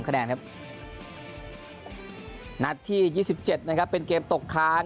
คะแนนครับหนักที่ยี่สิบเจ็ดนะครับเป็นเกมตกค้าง